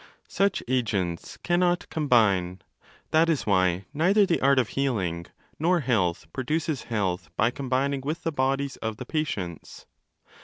Such agents cannot 'combine '—that is why neither the art of healing nor health produces health by 'combining' with the bodies of the patients.